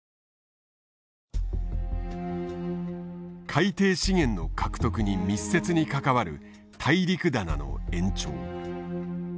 海底資源の獲得に密接に関わる大陸棚の延長。